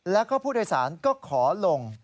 แล้วก็ผู้โดยสารก็ขอลง